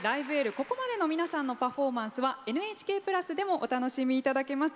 ここまでの皆さんのパフォーマンスは「ＮＨＫプラス」でもお楽しみいただけます。